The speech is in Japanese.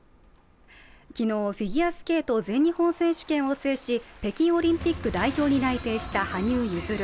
昨日、フィギュアスケート全日本選手権を制し北京オリンピック代表に内定した羽生結弦。